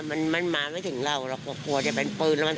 ก็ขายไปแล้วแวงไปเหมือนกัน